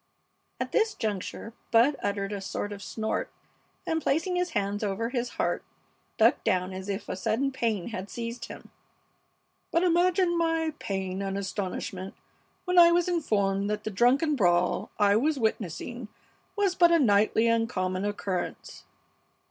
(At this juncture Bud uttered a sort of snort and, placing his hands over his heart, ducked down as if a sudden pain had seized him.) "But imagine my pain and astonishment when I was informed that the drunken brawl I was witnessing was but a nightly and common occurrence.